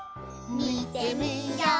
みてみよう！